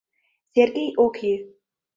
Сергей ок йӱ.